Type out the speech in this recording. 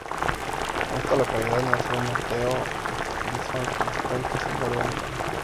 En esta localidad nació Mateo I Visconti, señor de Milán